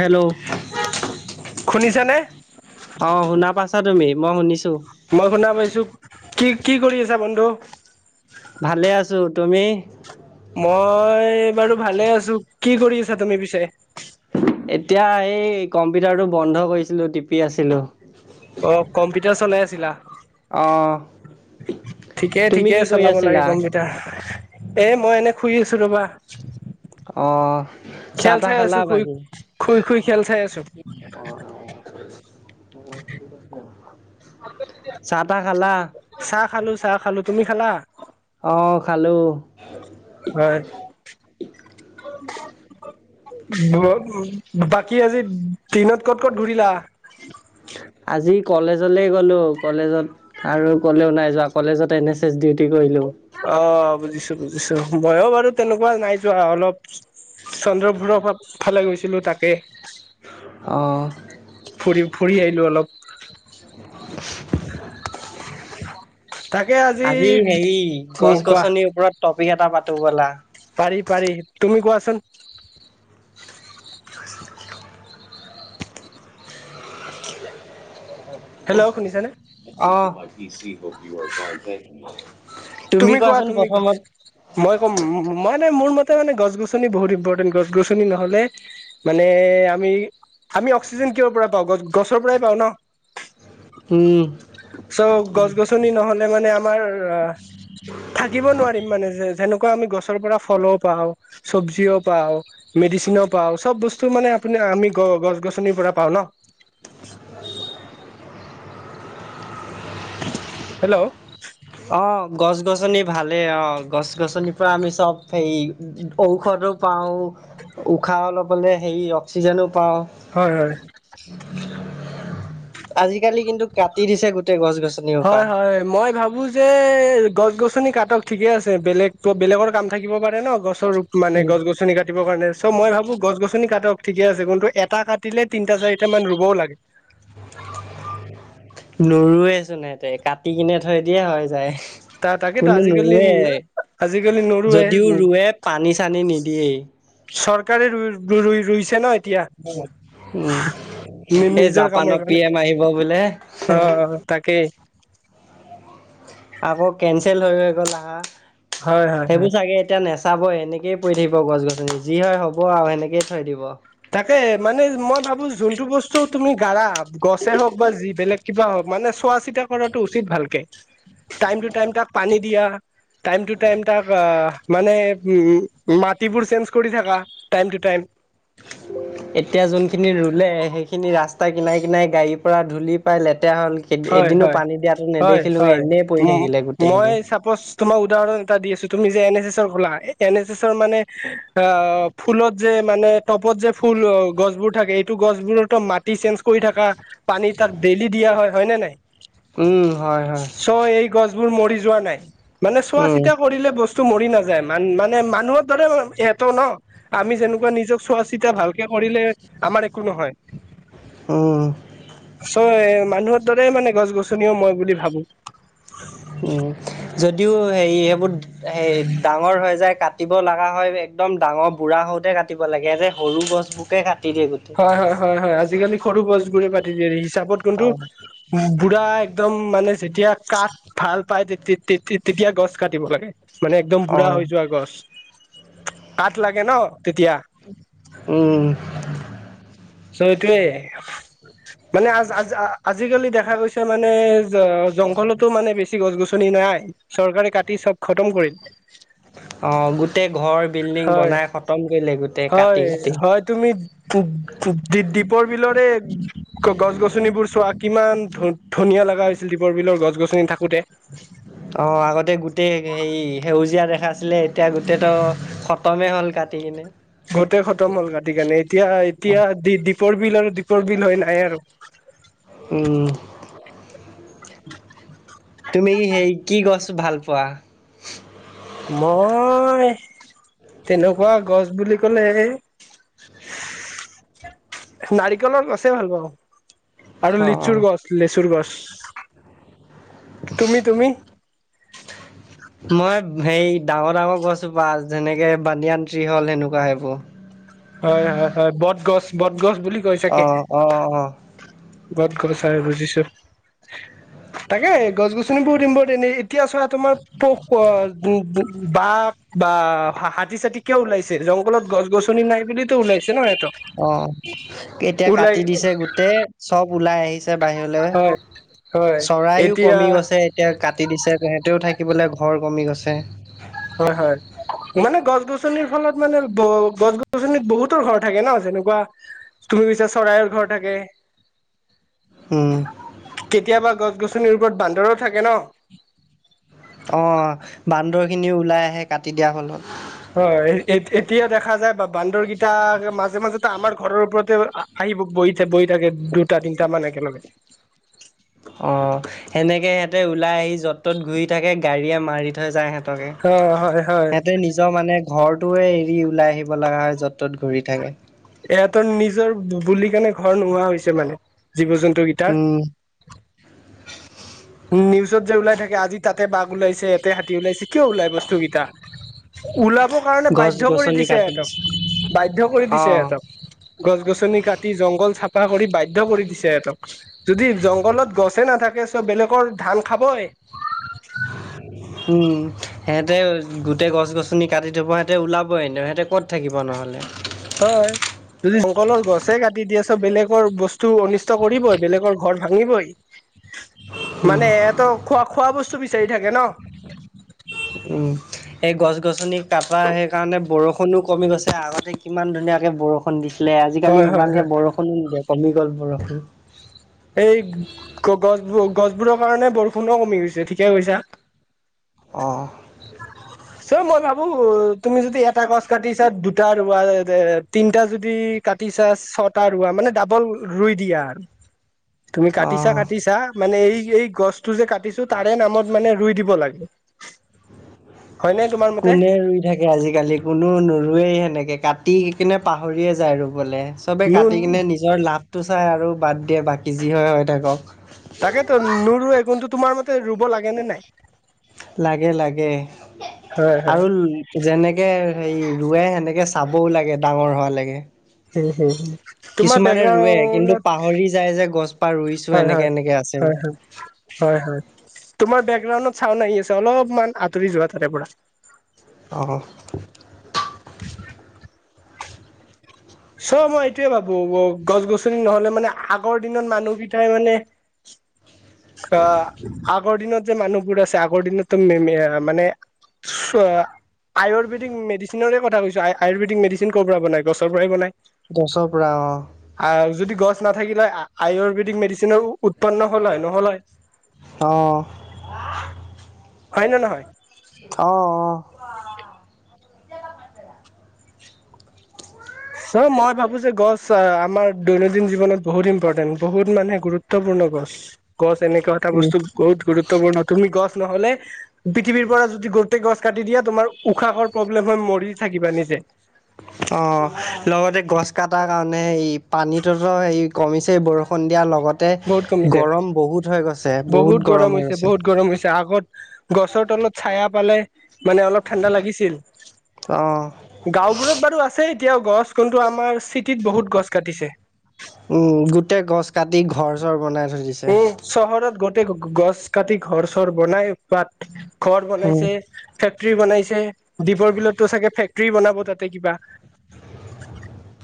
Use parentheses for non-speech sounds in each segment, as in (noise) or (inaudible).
Hello. শুনিছানে? অ' শুনা পাইছা তুমি মই শুনিছোঁ। মই শুনা পাইছোঁ কি কি কৰি আছা বন্ধু। ভালে আছোঁ তুমি। মই বাৰু ভালে আছোঁ কি কৰি আছা তুমি পিছে। এতিয়া এই কম্পিউটাৰটো বন্ধ কৰিছিলোঁ টিপি আছিলোঁ। অ কম্পিউটাৰ চলাই আছিলা। অ ঠিকেই তুমি কি ঠিকেই কৰি চলাব লাগে আছিলা কম্পিউ। এ মই এনে শুই আছোঁ ৰবা। অ চাহ খেল তাহ চাই খালা আছোঁ শুই বাকী শুই শুই খেল চাই আছোঁ। চাহ তাহ খালা? চাহ খালোঁ চাহ খালোঁ, তুমি খালা? অ' খালোঁ। হয়। বাকী আজি দিনত ক'ত ক'ত ঘূৰিলা। আজি কলেজলৈ গ'লোঁ কলেজত। আৰু ক'লেও নাই যোৱা কলেজত এন এছ এছ ডিউটি কৰিলোঁ। অ' বুজিছোঁ বুজিছোঁ মইো বাৰু তেনেকুৱা নাই যোৱা অলপ। চন্দ্ৰপুৰৰ ফালে গৈছিলোঁ তাকে। অ'। ফুৰি আহিলোঁ। (inaudible) আজি হেৰি উম গছ কোৱা গছনিৰ ওপৰত টপিক এটা পাতো বলা। পাৰি পাৰি তুমি কোৱাচোন? হেল্ল' শুনিছানে? অ', তুমি কোৱা কোৱাচোন তুমি কোৱা প্ৰথমত। মই ক'ম মইে মোৰ মতে মানে গছ গছনি বহুত ইম্পৰ্টেণ্ট গছ গছনি নহলে। মানে, আমি আমি অক্সিজেন কিয়ৰ পৰা পাওঁ, গছ গছৰ পৰাই পাও ন। উম চ' গছ-গছনি নহ'লে মানে আমাৰ থাকিব নোৱাৰিম মানে, যে যেনেকুৱা আমি গছৰ পৰা ফলও পাওঁ, চব্জিও পাওঁ। মেডিচনো পাও, চব বস্তু মানে আপুনি, আমি গছ-গছনিৰ পৰা পাওঁ ন। (inaudible) হেল্ল'। অ', গছ-গছনি ভালেই অ', গছ-গছনিৰ পৰা আমি চব সেই ঔষধো পাওঁ, উশাহ ল'বলে হেৰি অক্সিজেনো পাওঁ। হয়, হয়। আজিকালি কিন্তু, কাটি দিছে গোটেই গছ-গছনি। হয়, হয়, মই ভাবো যে গছ-গছনি কাটক ঠিকে আছে, বেলেগ বেলেগৰ কাম থাকিব পাৰে ন গছ ৰপ মানে গছ-গছনি কাটিব কাৰণে চ' মই ভাবো গছ-গছনি কাটক, ঠিকে আছে কিন্তু এটা ক কতিলে, তিনিটা চাৰিটা মান ৰুবও লাগে। নৰুৱে তেনেকে কাটি কিনে থৈ দিয়ে হয় যায়। ত তাকেতো কোনো আজিকালি নুৰুৱেই। আজিকালি নো যদিও ৰোৱে, পানী-চানী নিদিয়েই। চৰকাৰে ৰই ৰুইছে ন এতিয়া। উম, এই নিজৰ কামৰ জাপানৰ পি এম আহিব বোলে। তাকে। আকৌ কেনচেল হৈ হৈ গ'ল আহা, হয় হয় হয় সেইবোৰ চাগে এতিয়া নেচ চাব পৰি থাকিব গছ যি হয় হ'ব আৰু সেনেকয়ে থৈ দিব। তাকে মানে মই যোনটো বস্তু তুমি গাৰা গছে হওঁক বা যিবেলেগ কিবা হওক মানে চোৱা-চিতা, কৰাটো উচিত ভালকে। টাইম টু টাইম তাক পানী দিয়া, টাইম টু টাইম তাক মানে উম, মাটিবোৰ চেঞ্জ কৰি থাকা টাইম টু টাইম। এতিয়া যোনখিনি ৰুলে, সেইখিনি ৰাস্তা ৰাস্তা কিনাই, কিনাই গাড়ীৰ পৰা ধূলি পাই লেতেৰা হ'ল। হয় এদিনো হয় পানী দিয়া হয় নেদেখিলোঙে, এনেই পৰি থাকিলে গোটেইখিনি। তোমাৰ উদাহৰণ এটা দি আছো, তুমি যে এন এছ এছৰ খোলা এন এছ এছৰ মানে ফুলত যে মানে টপত যে ফুল গছবোৰ থাকে এইটো গছবোৰতো মাত চেঞ্জ কৰি থকা, পানী তাত ডেইলি দিয়া হয় নে নাই। উম হয় হয় চ', এই গছবোৰ মৰি যোৱা নাই, মানে চোৱা উম চিতা কৰিলে বস্তু মৰি নাযায়, মানে মানুহৰ দৰে সিঁহতটো ন আমি যেনেকুৱা নিজক তেতিয়া ভালকে কৰিলে, আমাৰ একো নহয়। চ', উম মানুহৰ দৰে মানে গছ-গছনিও মই বুলি ভাবো। উম, যদিও হেৰি সেইবোৰ হেৰি ডাঙৰ হৈ যায়, কাটিব লগা হয়। একদম ডাঙৰ বুঢ়াওঁতে কাট লাগে যে, সৰু গছবোৰকে কাটি দিয়ে গোটেই। হয়, হয়, হয়, হয়, আজিকালি সৰু গছবোৰে কাটি দিয়ে হিচাপত অ কিন্তু পুৰা একদম মানে যেতিয়া কাঠ ভাল পায়, তে তেতিয়া গছ কাটিব লাগে। মানে একদম অ বুঢ়া হৈ যোৱা গছ, কাঠ লাগে ন তেতিয়া। উম। মানে সেইটোৱে, মানে আজ আজ আজিকালি দেখা গৈছে মানে জংঘলতো মানে বেছি গছ গছনি নাই। চৰকাৰে কাটি চব খতম কৰিল। অ', গোটেই ঘৰ বিল্ডিং হয় বনাই খতম কৰিলে গোটেই হয় কাটি কাটি। হয় তুমি দীপ-দীপৰ বিলৰে গছ গছনিবোৰ চোৱা কিমান ধ-ধুনীয়া লগা হৈছিল দীপৰ বিলৰ গছ গছনি থাকোতে। (inaudible) অ', আগতে গোটেই হেৰি সেউজীয়া দেখাইছিলে এতিয়া গোটেইটো খতমেই হ'ল কাটি কিনে। গোটোই খতম হ'ল কাটি কেনে এতিয়া এতিয়া দ্বীপৰ বিল আৰু দ্বীপৰ বিল হয় নাই আৰু। উম। (inaudible) তুমি সেই কি গছ ভাল পোৱা? মই‌ তেনেকুৱা গছ বুলি ক'লে নাৰিকলৰ গছে ভাল পাওঁ। আৰু অ লিচুৰ গছ লিচুৰ গছ, তুমি তুমি? (inaudible) মই হেৰি ডাঙৰ ডাঙৰ গছজোপা যেনেকে বানন্দীয়ান ট্ৰী হ'ল সেনেকুৱা সেইবোৰ। হয়, হয়, হয়, বটগছ বটগছ বুলি কয় অ চাগে। অ অ বটগছ আৰু বুজিছো। তাকে গছ গছনিবোৰ (unintelligible) এতিয়া চোৱা তোমাৰ পোক (unintelligible) বাঘ বা হাতী চাতী কিয় ওলাইছে জংঘলত গছ গছনি নাই ওলাইছে ন সিহঁতক অ', এতিয়া ওলাই কাটি দিছে গোটেই চব ওলাই আহিছে। বাহিৰলৈ হয় হয় চৰাইও এতিয়া কমি গৈছে। এতিয়া কাটি দিছে সিহঁতেও থাকিবলৈ ঘৰ কমি গৈছে। হয়, হয়। মানে গছ গছনিৰ ফলত মানে ব গছ গছনিত বহুতৰ ঘৰ থাকে ন যেনেকুৱা তুমি কৈছা চৰাইৰ ঘৰ থাকে। উম। কেতিয়াবা গছ গছনিৰ ওপৰত বান্দৰো থাকে ন। অ', বান্দৰখিনিও ওলাই আহে কাটি দিয়া ফলত। হয়, এ‌ এতিয়া দেখা যায় বা বান্দৰকিটা মাজে মাজেতো আমাৰ ঘৰৰ ওপৰতে আহি বহি-বহি থাকে বহি থাকে দুটা তিনিটা মান একেলগে। অ', সেনেকৈ সিহঁতে ওলাই আহি য'ত ত'ত ঘূৰি থাকে গাড়ীয়ে মাৰি থৈ যায়। অ হয় হয় সিহঁতে নিজৰ মানে ঘৰটোৱে এৰি ওলাই আহিব লগা হয় য'ত ত'ত ঘূৰি থাকে। ইহঁতৰ নিজৰ বুলি কেনে ঘৰ নোহোৱা হৈছে মানে জীৱ জন্তু কেইটাৰ উম। নিউজত যে ওলাই থাকে আজি তাতে বাঘ ওলাইছে ইয়াতে হাতী ওলাইছে কিয় ওলাই বস্তু কেইটা? ওলাব কাৰণে গছ বাধ্য কৰি গছনি দিছে কাটি সিহঁতক বাধ্য কৰি দিছে। অ' গছ গছনি কাটি জংঘল চাফা কৰি বাধ্য কৰি দিছে সিহঁতক। যদি জংঘলত গছে নাথাকে চব বেলেগৰ ধান খাবই। (inaudible) উম, সিহঁতে গোটেই গছ গছনি কাটি থব সিহঁতে ওলাব এনে সিহঁতে কত থাকিবা নহ'লে। হয়। যদি জংঘলৰ গছে কাটি দিয়া বেলেগৰ বস্তু অনিষ্ট কৰিবই বেলেগৰ ঘৰ ভাঙিবই। উম, মানে এ, ত খোৱা, খোৱা বস্তু বিচাৰি থাকে ন! উ। এ, গছ-গছনি, তাপা সেইকাৰণে বৰষুণো কমি গৈছে, আগতে কিমান ধুনীয়াকে বৰষুণ দিছিলে আজিকালি হয় হয় সিমানকে হয় বৰষুণো নিদিয়ে কমি গ'ল বৰষুণ। এই, গ-গছবোৰ গছবোৰৰ কাৰণে বৰষুণো কমি গৈছে ঠিকে কৈছা। অ'। চ, মই ভাবো তুমি যদি এটা গছ কাটিছা দুটা ৰুৱা (unintelligible) তিনটা যদি কাটিছা, ছটা ৰুৱা মানে ডাবল ৰুই দিয়া আৰু। তুমি কাটিছা, অ'। কাটিছা। মানে এই, এই গছটো যে কাটিছো তাৰে নামত মানে ৰুই দিব লাগে। হয়নে তোমাৰ মতে কোনে ৰুই থাকে আজিকালি কোনো নৰুৱেই সেনেকে কাটি কিনে পাহৰিয়ে যায় ৰুবলে। চবেই নো কাটিকনে নিজৰ লাভটো চাই আৰু বাদ দিয়ে বাকী যি হয় হৈ থাকক। তাকেতো নৰুৱে, কোনটো তোমাৰ মতে ৰুব লাগে নে নাই? লাগে, লাগে। হয় হয় আৰুল যেনেকে হেৰি ৰুৱে সেনেকে চাবও লাগে ডাঙৰ হোৱা লৈকে। হুম হুম হুম তোমাৰ কিছুমানে ৰুৱে, কিন্তু বেকগ্ৰাউণ্ডত পাহৰি যায় যে গছপা ৰুইছো। হয় এনেকে হয় এনেকে আছে হয় হয় (unintelligible) হয়, হয়। তোমাৰ বেকগ্ৰাউণ্ডত চাওন্দ আহি আছে, অলপমান আঁতৰি যোৱা তাৰে পৰা। অ'। চোৱা, মই এইটোয়ে ভাবো গছ-গছনি নহ'লে মানে, আগৰ দিনত মানুহকিটাই মানে অ', আগৰ দিনত যে মানুহবোৰ আছে, আগৰ দিনততো মে-মে মানে চোৱা আয়ুৰ্বেদিক মেডিচিনৰে কথা কৈছো, আয়ুৰ্বেদিক মেডিচিন ক'ৰ পৰা বনায়, গছৰ পৰাই বনায়। গছৰ পৰা অ'। আৰ যদি গছ নাথাকিলে আয়ুৰ্বেদিক মেডিচিনৰ উৎপন্ন হল হয়, নহল হয়। অ'। হয় নে নহয়? অ', অ'। চ, মই ভাবো যে, গছ আমাৰ দৈনন্দিন জীৱনত বহুত ইম্পৰ্টেণ্ট, বহুত মানে গুৰুত্বপূৰ্ণ গছ। গছ এনেকুৱা এটা উম বস্তু বহুত গুৰুত্বপূৰ্ণ তুমি গছ নহ'লে পৃথিৱীৰ পৰা যদি গোটেই গছ কাটি দিয়া, তোমাৰ উশাহৰ প্ৰব্লেম হয় মৰি থাকিবা নিজে। অ', লগতে গছ কাটাৰ কাৰণে হেই পানীটোতো হেৰি কমিছে বৰষুণ দিয়াৰ লগত। বহুত কমিছে। বহুত গৰম হৈছে, বহুত গৰম হৈছে, আগত গছৰ তলত ছায়া পালে মানে অলপ ঠাণ্ডা লাগিছিল। অ' গাঁওবোৰত বাৰু আছেই। এতিয়াও গছ, কোনটো আমাৰ চিটিত বহুত গছ কাটিছে। উ, গোটেই গছ কাটি ঘৰ চৰ বনাই থৈ দিছে। উম চহৰত গোটেই গ-গ-গছ কাটি ঘৰ চৰ বনাই পাত ঘৰ উম বনাইছে ফেক্ট্ৰী বনাইছে, দ্বীপৰ বিলতো চাগে ফেক্ট্ৰী বনাব তাতে কিবা।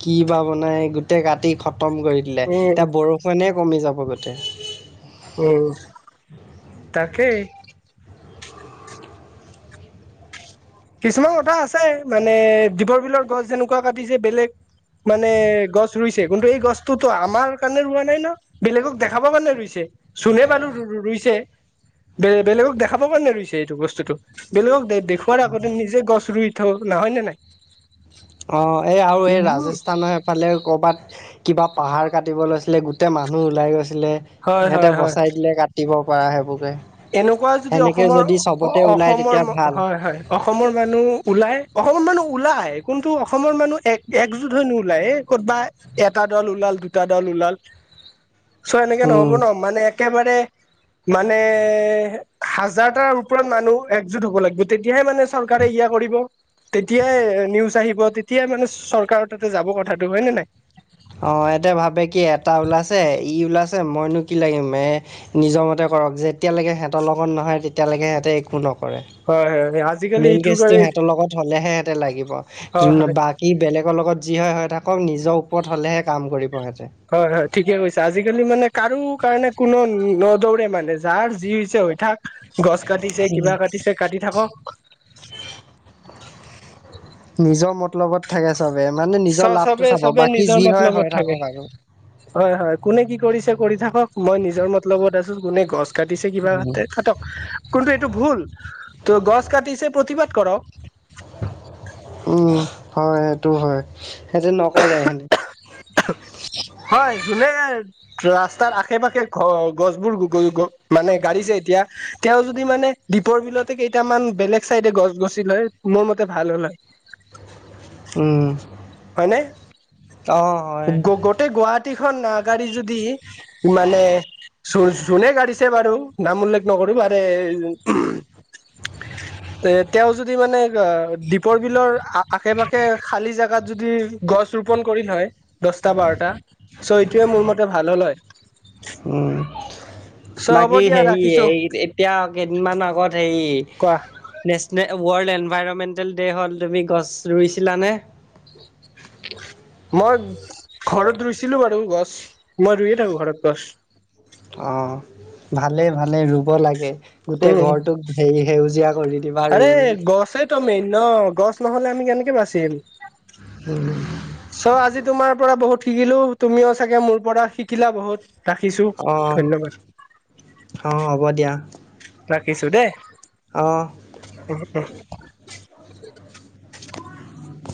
কি বা বনাই, গোটেই কাটি খতম কৰি দিলে। উম এতিয়া বৰষুণে কমি যাব গোটেই। অ'। তাকে। কিছুমান কথা আছে, মানে দীপৰ বিলৰ গছ যেনেকুৱা কাটিছে বেলেগ মানে, গছ ৰুইছে কিন্তু এই গছতোতো আমাৰ কাৰণে ৰোৱা নাই ন। বেলেগক দেখাব কাৰণে ৰুইছে, চোনে বাৰু ৰু-ৰু-ৰুইছে বে-বেলেগক দেখাব কাৰণে দিছে এইটো বস্তুটো, বেলেগক দেখুৱৱাৰ- আগতে নিজে গছ ৰুই- থৈক নহয় নে নাই। অঁ' এই আৰু এই ৰাজস্থানৰ- ফালে ক'ৰবাত কিবা পাহাৰ কাটিব লৈছিলে গোটেই মানুহ ওলাই গৈছিলে। হয় হয় সিহঁতে হয় বচাই দিলে কাটিব পাৰা সেইবোৰকে। এনেকুৱা যদি সেনেকে অসমৰ, যদি চবতে ওলাই অসমৰ তেতিয়া ভাল হয় হয়। অসমৰ মানুহ ওলাই। অসমৰ মানুহ ওলাই কিন্তু অসমৰ মানুহ এক একজোট হৈ নোলায়। কত'বা এটা দল ওলাল, দুটা দল ওলাল। (inaudible) চ' এনেকে নহ'ব উম ন' মানে একেবাৰে মানে- হাজাৰ তাৰ ওপৰত মানুহ একজুট হ'ব লাগিব তেতিয়াহে মানে চৰকাৰে ইয়া কৰিব। তেতিয়াই নিউজ আহিব, তেতিয়াই মানে চৰকাৰৰ তাতে যাব কথাটো। হয় নে নাই? অঁ' ইহঁতে ভাবে কি এটা ওলাইছে ই ওলাইছে মইনো কি লাগিম এই- নিজৰ মতে কৰক যেতিয়ালৈকে সিহঁতৰ লগত নহয় তেতিয়ালৈকে সিহঁতে একো নকৰে। হয় হয়। আজিকালি মেইন এইটোৰ কেছটো কাৰণে সিহঁতৰ লগত হ'লে হে সিহঁতে লাগিব হয় কিন্তু হয় বা কী বেলেগৰ লগত যি হয় হৈ থাকক নিজৰ ওপৰত হ'লে হে কৰিব সিহঁতে। হয় হয়, ঠিকে কৈছা, আজিকালি মানে কাৰো কাৰণে কোনো নদৌৰে মানে যাৰ যি হৈছে হৈ থাক। গছ কাটিছে কিবা কাটিছে কাটি থাকক। নিজৰ মতলবত- থাকে চবে মানে চ নিজৰ লাভটো চবে চাব চবে নিজৰ যি হয় মতলবত হৈ থাকে থাকক আৰু। হয় হয়। কোনে কি কৰিছে কৰি থাকক, মই নিজৰ মতলবত আছোঁ, কোনে গছ- কাটিছে কিবা কাটে কাটক কিন্তু এইটো ভুল, ত' গছ কাটিছে প্ৰতিবাদ কৰক। উমঁ' হয় সেইটো হয়। সেতি নকৰে সে হয় জোনে- ৰাস্তাৰ আশে পাশে ঘ গছবোৰ মানে গাড়িছে এতিয়া তেওঁ যদি মানে- দ্বীপৰ বিলতে কেইটামান বেলেগ চাইডে গছ গছি লয় মোৰ মতে ভাল হ'ল হয়। উমঁ। হয়নে। গোটেই গুৱাহাটী খন- গাড়ী যদি মানে যোনে গাড়িছে বাৰু- নাম উল্লেখ নকৰিবা দেই- এ তেওঁ যদি মানে দ্বীপৰ বিলৰ আশে পাশে খালি জেগা ত যদি গছ ৰোপন কৰিল হয়- দহটা বাৰটা চ' এইটোৱে মোৰ মতে ভাল হ'ল হয়। উমঁ। চ' হ'ব বাকী দিয়া হেৰি ৰাখিছো এই এতিয়া কেইদিনমান আগত হেৰি- কোৱা নেচনেল ৱৰ্ল্ড এনভাইৰমেণ্টেল ডে' হ'ল তুমি গছ ৰুইছিলানে? মই ঘৰত ৰুইছিলো বাৰু গছ, মই ৰুইয়ে থাকো ঘৰত গছ। অঁ' ভালে ভালে ৰুব লাগে। গোটেই উম ঘৰটোক হেৰি সেউজীয়া কৰি দিবা ৰুই ৰুই। দমেই ন' গছ নহ'লে আমি কেনেকে বাচিম। হ'ম। চ' আজি তোমাৰ পৰা বহুত শিকিলোঁ। তুমিও চাগে মোৰ পৰা শিকিলা বহুত। ৰাখিছো অঁ' ধন্যবাদ অঁ' হ'ব দিয়া। ৰাখিছো দে। অহ। অহ‌‌ অহ।